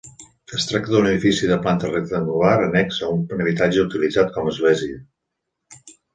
Es tracta d'un edifici de planta rectangular annex a un habitatge utilitzat com església.